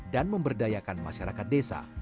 dan memberdayakan masyarakat desa